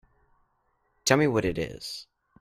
Tell me what it is.